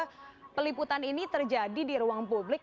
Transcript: melihat dengan jelas bahwa peliputan ini terjadi di ruang publik